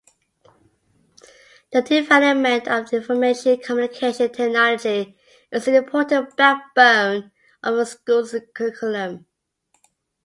The development of information communication technology is an important backbone of the schools curriculum.